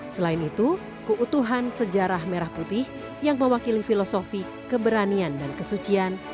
selain itu keutuhan sejarah merah putih yang mewakili filosofi keberanian dan kesucian